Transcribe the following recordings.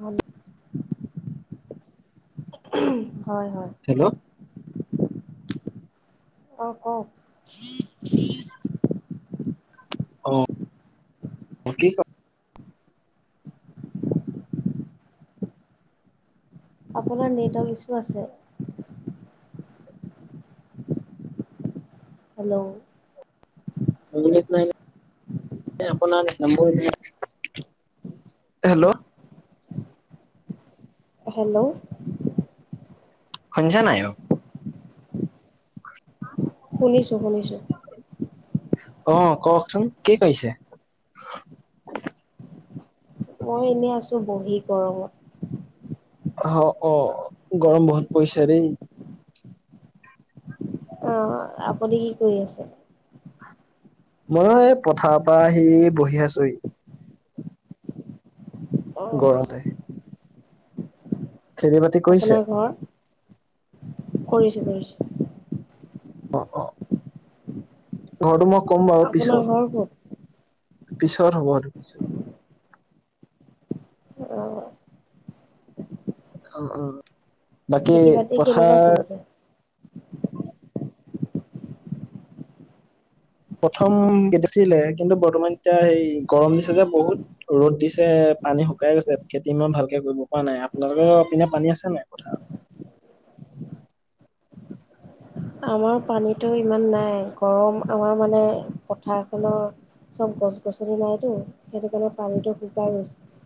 ভাল [unintelligible] হয় হয়। হেল্ল' অ' কওক? অ' [unintelligible] কি আপোনাৰ নেটৱৰ্ক ইছু আছে। হেল্ল' মোৰ নেট নাই নে আপোনাৰ নেট নাই? হেল্ল' হেল্ল' শুনিছা বাও? শুনিছো শুনিছো। অহ কওক চোন কি কৈছে? মই এনেই আছোঁ বহী গৰমত। অ অ গৰম বহুত পৰিইচা দেই। অ আপুনি কি কৰি আছে? মই এই পথাৰ পৰা আহি বহি আছোঁহি। অ ঘৰতে। খেতি বাতি কৰিছে? কৰিছো কৰিছো অ অ ঘৰ ম আপোনাৰ ঘৰ কত পিছৰ হ'ব অ উম উম বাকী খেতি বাতি কেনেকুৱা পথাৰ চলিছে প্ৰথম [unintelligible] ছিলে কিন্তু বৰ্তমান এতিয়া হেই গৰম দিছে যে বহুত ৰ'দ দিছে পানী শুকাই গৈছে খেতি মই ভালকে কৰিব পৰা নাই আপোনালোকৰ পিনে পানী আছে নাই পথাৰত [inaudible] আমাৰ পানীতো ইমান নাই গৰম আমাৰ মানে পথাৰখনৰ চব গছ-গছনি নাইতো সেইটো কাৰণে পানীটো শুকাই গৈছে।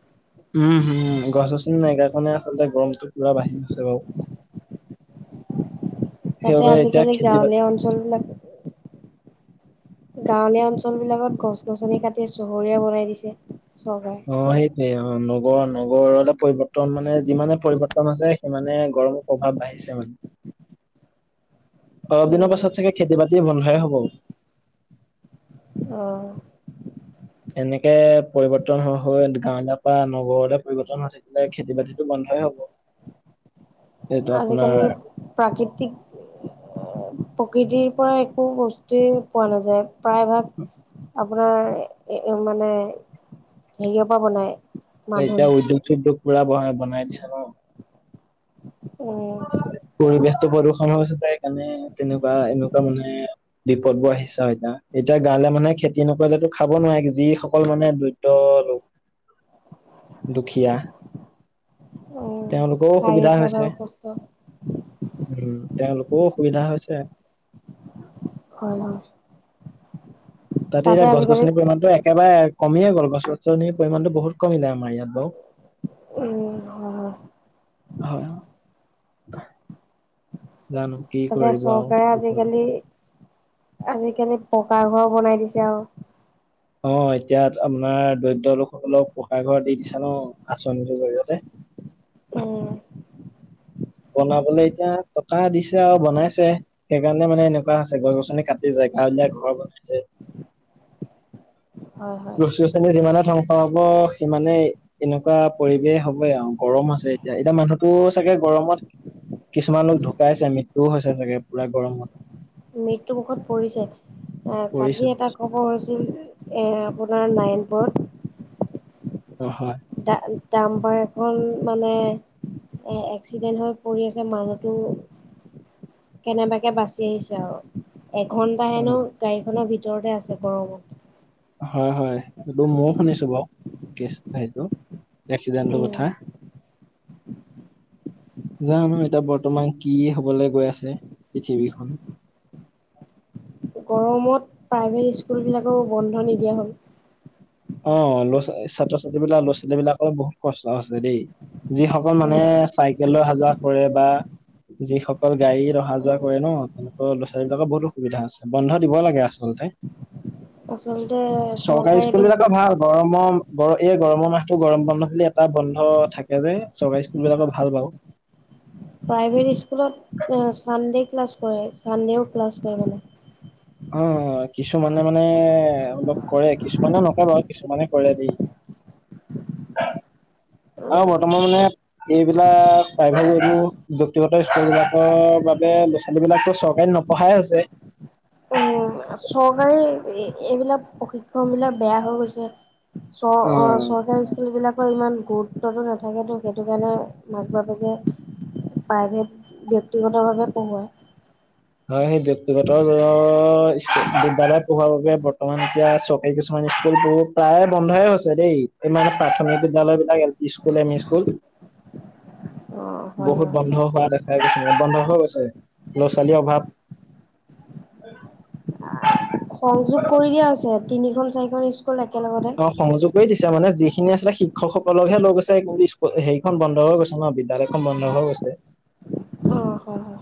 উম হম, গছ-গছনি নাই কাৰণে আচলতে গৰমটো পুৰা বাঢ়ি গৈছে বাৰু [unintelligible] তাতে সেইবাবে এতিয়া আজিকালি খেতি বাতি গাঁৱলীয়া অঞ্চলবিলাক গাঁৱলীয়া অঞ্চলবিলাকত গছ-গছনি কাটি চহৰীয়া বনাই দিছে। চৰকাৰে। অ' সেইটোৱে অ' নগৰ নগৰলৈ পৰিৱৰ্তন মানে যিমানে পৰিৱৰ্তন হৈছে সিমানে গৰমৰ প্ৰভাৱ বাঢ়িছে মানে [unintelligible] অলপ দিনৰ উম, পাছত চাগে খেতি-বাতি বন্ধই হ'ব। অঁ। এনেকে পৰিৱৰ্তন হৈ হৈ গাঁৱলীয়াৰ পৰা নগৰলৈ পৰিবৰ্তন হৈ থাকিলে খেতি-বাতিতো বন্ধ বন্ধই হ'ব। সেইটো আপোনাৰ আজিকালি প্ৰাকৃতিক প্ৰকৃতিৰ পৰা একো বস্তুৱেই পোৱা নাযায় প্ৰায়ভাগ আপোনাৰ মানে হেৰিয়ৰ পৰা বনাই এতিয়া উদ্যোগ চোদ্যোগ পুৰা বনাই দিছে ন' উম। পৰিৱেশতটো প্ৰদূষণ হৈ হৈছে তাৰকাৰণে তেনেকুৱা এনেকুৱা মানে বিপদ বোৰ আহিছা এতিয়া, এতিয়া গাঁৱলীয়া মানুহে খেতি নকৰিলে খাব নোৱাৰে যিসকল মানে দৰিদ্ৰ লোক [inaudible] দুখীয়া উম, তেওঁলোকৰো অসুবিধা শাৰীৰিকভাৱে হৈছে, অসুস্থ উম তেওঁলোকৰো অসুবিধা হৈছে। হয়-হয়। তাতে এতিয়া গছ গছনিৰ পৰিমাণটো একেবাৰে কমিয়ে গ'ল গছ গছনিৰ পৰিমাণটো বহুত কমিলে আমাৰ ইয়াত বাৰু উম, হয়-হয় হয়। জানো কি তাতে কৰিব আৰু চৰকাৰে আজিকালি আজিকালি পকা ঘৰ বনাই দিছে আৰু অ' এতিয়া আপোনাৰ দৰিদ্ৰ লোকসকলক পকা ঘৰ দি দিছে ন' আঁচনিটোৰ জৰিয়তে উম। বনাবলে এতিয়া টকা দিছে আৰু বনাইছে সেইকাৰণে মানে এনেকুৱা আছে গছ-গছনি কাটি যায় টাউনীয়া ঘৰ বনাইছে অ' হয়। গছ গছনি যিমানে ধ্বংস হ'ব সিমানেই এনেকুৱা পৰিৱেশ হ'ব আৰু গৰম আছে এতিয়া এতিয়া মানুহতো চাগে গৰমত কিছুমান লোক ঢুকাইছে, মৃত্যুও হৈছে চাগে পুৰা গৰমত। মৃত্যুমুুখত পৰিছে, অ' পৰিছে কালি এটা খবৰ হৈছিল এয়াৰপ'ৰ্ট নাৰায়ণপুৰত অ' হয়। ডা ডাম্পাৰ এখন মানে এহ এক্সিডেণ্ট হৈ পৰি আছে, মানুহটো কেনেবাকে বাচি আহিছে আৰু এঘণ্টা হেনো গাড়ীখনৰ ভিতৰতে আছে গৰমত হয় হয় এইটো ময়ো শুনিছোঁ বাৰু কেছ হেৰিটো এক্সিডেণ্টটোৰ কথা [inaudible] [unintelligible] যানো এতিয়া বৰ্তমান কি হ'বলে গৈ আছে পৃথিৱীখন, [unintelligible] গৰমত প্ৰাইভেট স্কুলবিলাকো বন্ধ নিদিয়া হ'ল। অ ল'ৰা ছো ছাত্ৰ - ছাত্ৰী বিলাক ল'ৰা- ছোৱালী বিলাকৰ বহুত কষ্ট হৈছে দেই। যিসকল মানে চাইকেল লৈ অহা যোৱা কৰে বা যিসকল গাড়ীত অহা যোৱা কৰে ন তেওঁলোকৰ ল'ৰা - ছোৱালী বিলাকৰ বহুত অসুবিধা আছে বন্ধ দিব লাগে আচলতে। [inaudible] আচলতে চৰকাৰে স্কুলবিলাকৰ ভাল গৰমৰ গৰ এই গৰমৰ মাহটো গৰম বন্ধ বুলি এটা বন্ধ থাকে যে চৰকাৰী স্কুল বিলাকৰ ভাল বাৰু [inaudible] প্ৰাইভেট স্কুলত অ ছানডে' ক্লাছ কৰে ছানডেও ক্লাছ কৰে মানে। অ কিছুমানে মানে অলপ কৰে কিছুমানে নকৰে বাও। কিছুমানে কৰে দেই [unintelligible] অ বৰ্তমান মানে এইবিলাক প্ৰাইভেত যোনবোৰ ব্যক্তিগত স্কুলবিলাকৰ বা বে ল'ৰা - ছোৱালী বিলাকতো চৰকাৰীত নপঢ়াই হৈছে। উম চৰকাৰী এইবিলাক প্ৰশিক্ষণ বিলাক বেয়া হৈ গৈছে। চ অ চৰকাৰী স্কুল বিলাক কৰ ইমান গুৰুত্বটো নাথাকেটো সেইটো কাৰণে মাক বাপেকে প্ৰাইভেট ব্যক্তিগতভাৱে পঢ়োৱাই। হয় সেই ব্যক্তিগত ধৰ স্কুল বিদ্যালয়ত পঢ়োৱাৰ বাবে বৰ্তমান এতিয়া চৰকাৰী কিছুমান স্কুলবোৰ প্ৰায়ে বন্ধয়ে হৈছে দেই কিমান প্ৰাথমিক বিদ্যালয় বিলাক L P school, M E school. অঁ হয় বহুত বন্ধ হয় হোৱা দেখা গৈছে বন্ধ হৈ গৈছে। ল'ৰা - ছো ছোৱালীৰ অভাৱ সংযোগ কৰি দিয়া হৈছে তিনিখন, চাৰিখন স্কুল একেলগতে এতিয়া মানে যিখিনি আছিলে শিক্ষকসকলকহে লৈ গৈছে কিন্তু স্কুল সেইখন বন্ধ হৈ গৈছে ন বিদ্যালয়খন বন্ধ হৈ গৈছে ছে অ হয় হয়।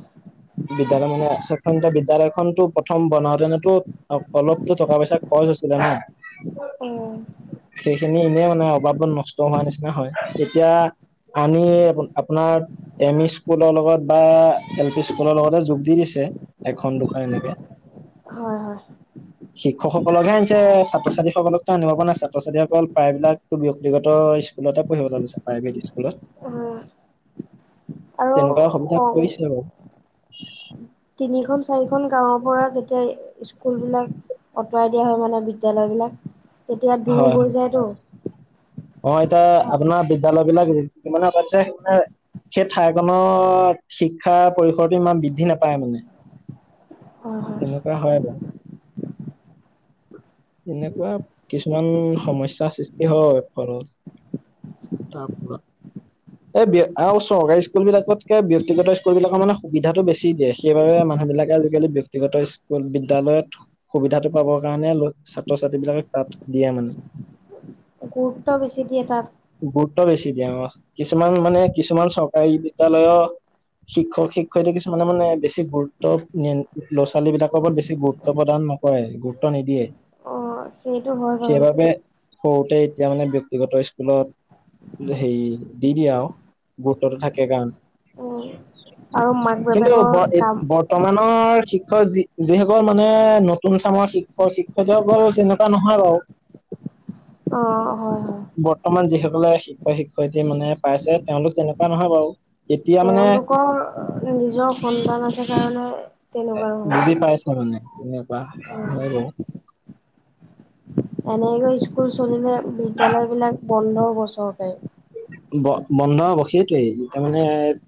বিদ্যালয় মানে সেখন এতিয়া বিদ্যালয়খনতো প্ৰথম বনাওঁতেনেতো অলপতো টকা পইচা খৰচ হৈছিলে ন উম। সেইখিনি এনেই মানে অবাবত নষ্ট হোৱা নিচিনা হয় এতিয়া আমি আ আপুনাৰ এম ই স্কুলৰ লগত বা এল পি স্কুলৰ লগতে যোগ দি দিছে এখন দুখন এনেকে হয় হয়। শিক্ষকসকলকহে আনিছে ছাত্ৰ- ছাত্ৰীসকলক টো আনিব পৰা নাই ছাত্ৰ -ছাত্ৰীসকল প্ৰায়বিলাক টো ব্যক্তিগত স্কুলতে পঢ়িবলে গৈছে প্ৰাইভেট স্কুলত হয় আৰু তেনেকুৱা সুবিধা কৰিছে বাৰু তিনিখন চাৰিখন গাঁৱৰ পৰা যেতিয়া স্কুল বিলাক আঁতৰাই দিয়া হয় মানে বিদ্যালয় বিলাক তেতিয়া দূৰ হয় হয় হৈ যায়তো অ এতিয়া আপুনাৰ বিদ্যালয় বিলাক যি যিমানে পাতিছে সিমানে সেই ঠাইখনৰ শিক্ষাৰ পৰিসৰটো ইমান বৃদ্ধি নাপায় মানে। হয় হয় তেনেকুৱা হয় বাৱ এনেকুৱা কিছুমান সমস্যাৰ সৃষ্টি হয় ফলত তাৰপৰা। এ ব্য আৰু চৰকাৰী স্কুল বিলাকতকে ব্যক্তিগত স্কুল বিলাকৰ মানে সুবিধাটো বেছি দিয়ে সেইবাবে মা মানুহ বিলাকে আজিকালি ব্যক্তি ব্যক্তিগত স্কুল বিদ্যালয়ত সুবিধাটো পাবৰ কাৰণে ল ছাত্ৰ ছাত্ৰী বিলাকে তাত দিয়ে মানে [inaudible] গুৰুত্ব বেছি দিয়ে তাত। গুৰুত্ব বেছি দিয়ে অহ। কিছুমান মানে কিছুমান চৰকাৰী বিদ্যালয় শিক্ষক শিক্ষয়িত্ৰী কিছুমানে মানে বেছি গুৰুত্ব নি ল'ৰা ছোৱালী বিলাকৰ ওপৰত বেছি গুৰুত্ব প্ৰদান নকৰে গুৰুত্ব নিদিয়ে। অ' সেইটো হয় বাৰু সেইবাবে সৰুতে এতিয়া মানে ব্যক্তিগত স্কুলত সেই দি দিয়া আও গোট তো থাকে গান। উম। আৰু মাক কিন্তু বাপেকৰ ব এত কাম বৰ্তমানৰ শিক্ষ যি যিসকল মানে নতুন চামৰ শিক্ষক শিক্ষয়ত্ৰী সকল যেনকা নহয় বাৰু [unintelligible] অ হয় হয়। ৰ্তমান যিসকলে শিক্ষয়ক শিক্ষয়িত্ৰী মানে পাইছে তেওঁলোক তেনেকুৱা নহয় বাৰু এতিয়া মানে তেওঁলোকৰ নিজৰ সন্তান আছে কাৰণে তেনেকুৱা নহয়। বুজি পাইছা মানে তেনেকুৱা হয় অ' বাও এনেকে স্কুল চলিলে বিদ্যালয় বিলাক বন্ধ হব চৰকাৰী ব বন্ধ হ'ব সেইটোয়েই তাৰ মানে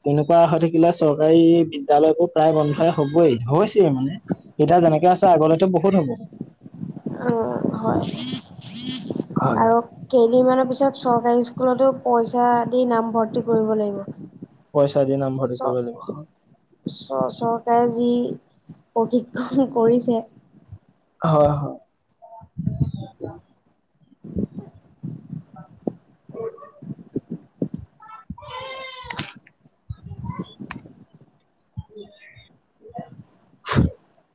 তেনেকুৱা হৈ থাকিলে চৰকাৰী বিদ্যালয়বোৰ প্ৰায় বন্ধ। এফালে হবই হৈছে মানে এতিয়া যেনেকে আছে আগলেতো বহুত হ'ব। অ হয় হয় হয় আৰু কেইদিনমানৰ পিছত চৰকাৰী স্কুলতো পইচা দি নামভৰ্তি কৰিব পইচা দি নামভৰ্তি লাগিব। চ কৰিব লাগিব চ চত তাই যি প্ৰশিক্ষণ কৰিছে হয় হয় [unintelligible] [unintelligible] [unintelligible]